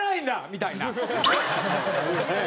みたいな。